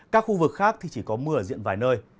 các khu vực khác thì chỉ có mưa ở diện vài nơi